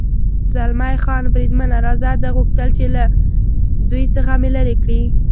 زلمی خان: بریدمنه، راځه، ده غوښتل چې له دوی څخه مې لرې کړي.